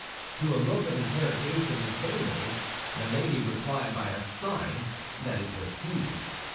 To a look of interrogation which they made, Milady replied by a sign that it was he.